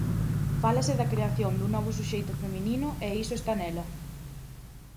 Fálase da creación dun novo suxeito feminino e iso está nela.